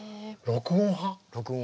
録音派。